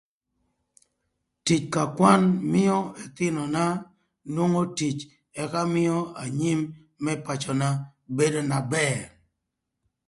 Tic ka kwan mïö ëthïnöna nwongo tic ëka mïö anyim më pacöna bedo na bër